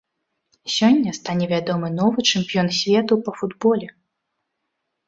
Сёння стане вядомы новы чэмпіён свету па футболе.